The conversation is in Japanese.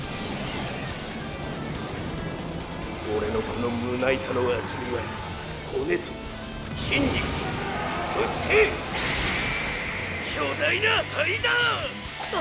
オレのこの胸板の厚みは骨と筋肉とそして巨大な肺だ！